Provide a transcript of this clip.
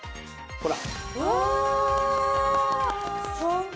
ほら。